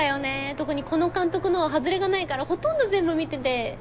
特にこの監督のはハズレがないからほとんど全部見てて。